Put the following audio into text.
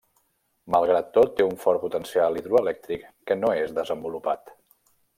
Malgrat tot, té un fort potencial hidroelèctric que no és desenvolupat.